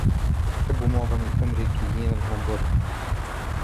يحب معظم الأمريكيين الهمبرجر.